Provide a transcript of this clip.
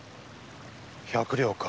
百両か。